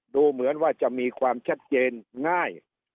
ดูเหมือนว่าจะมีความชัดเจนง่าย